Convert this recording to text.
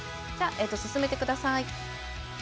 進めてください。